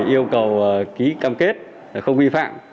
yêu cầu ký cam kết không vi phạm